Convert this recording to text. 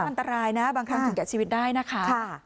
มันอันตรายนะบางครั้งถึงแก่ชีวิตได้นะคะ